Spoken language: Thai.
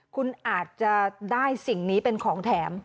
คุณอาจจะได้สิ่งนี้เป็นของแถม